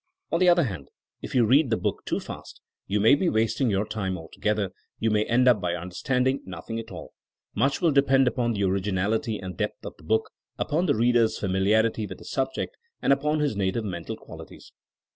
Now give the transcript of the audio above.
On the other hand if you read the book too fast you may be wasting your time altogether ; you may end by understanding noth ing at alL Much will depend upon the original ity and depth of the book, upon the reader's familiarity with the subject, and upon his native mental qualities.